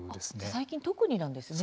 最近、特になんですね。